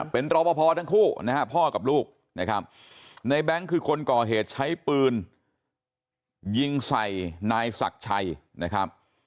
เป็นรอปภทั้งคู่นะฮะพ่อกับลูกนะครับในแบงค์คือคนก่อเหตุใช้ปืนยิงใส่นายศักดิ์ชัยนะครับ